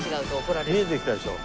見えてきたでしょ？